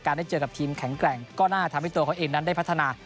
ได้เจอกับทีมแข็งแกร่งก็น่าทำให้ตัวเขาเองนั้นได้พัฒนา